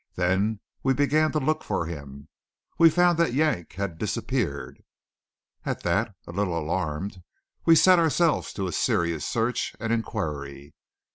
Then we began to look for him. We found that Yank had disappeared! At that, a little alarmed, we set ourselves to a serious search and inquiry.